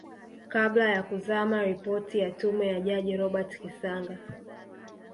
kabla ya kuzama Ripoti ya Tume ya Jaji Robert Kisanga